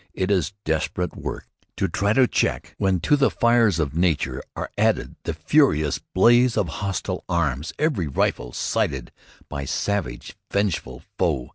It is desperate work to try to check one when to the fires of nature are added the furious blaze of hostile arms, every rifle sighted by savage, vengeful foe.